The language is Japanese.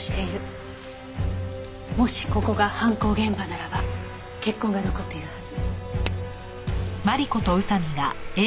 もしここが犯行現場ならば血痕が残っているはず。